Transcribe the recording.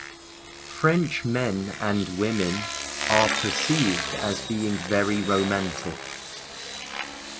French men and women are perceived as being very romantic.